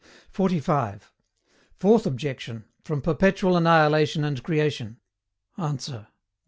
45. FOURTH OBJECTION, FROM PERPETUAL ANNIHILATION AND CREATION. ANSWER.